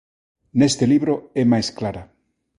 Neste libro é máis clara.